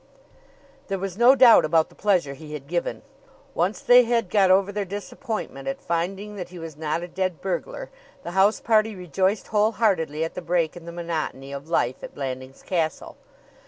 There was no doubt about the pleasure he had given. Once they had got over their disappointment at finding that he was not a dead burglar, the house party rejoiced whole heartedly at the break in the monotony of life at Blandings Castle.